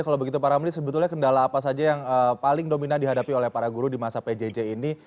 kalau begitu pak ramli sebetulnya kendala apa saja yang paling dominan dihadapi oleh para guru di masa pjj ini